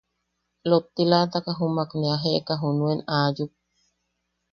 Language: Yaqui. Lottilataka ne a jeʼeka jumak junuen ne aayuk.